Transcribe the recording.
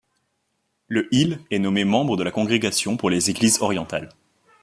Le il est nommé membre de la Congrégation pour les Églises orientales.